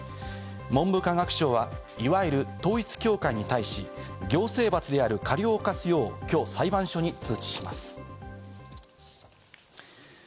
文部科学省はいわゆる統一教会に対し、行政罰である過料を科すよう、きょう裁判所に通知します。